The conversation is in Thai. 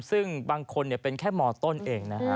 ซึ่งบางคนเป็นแค่มต้นเองนะฮะ